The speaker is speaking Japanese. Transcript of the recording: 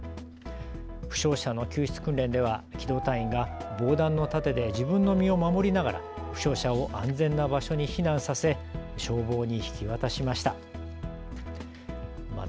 負傷者の救出訓練では機動隊員が防弾の盾で自分の身を守りながら負傷者を安全な場所に避難させ消防に引き渡しました。